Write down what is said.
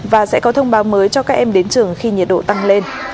và sẽ có thông báo mới cho các em đến trường khi nhiệt độ tăng lên